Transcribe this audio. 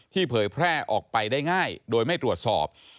เผยแพร่ออกไปได้ง่ายโดยไม่ตรวจสอบ